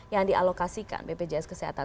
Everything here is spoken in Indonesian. yang dialokasikan bpjs kesehatan